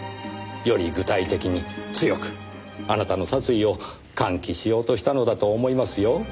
より具体的に強くあなたの殺意を喚起しようとしたのだと思いますよ。